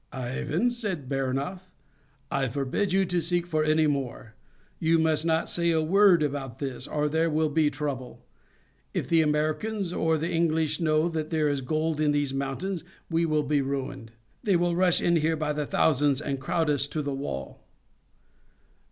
"Ivan," said Baranof, "I forbid you to seek for any more. You must not say a word about this, or there will be trouble. If the Americans or the English know that there is gold in these mountains we will be ruined. They will rush in here by the thousands, and crowd us to the wall."